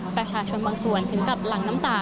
ประชาชนบางส่วนถึงกับหลังน้ำตา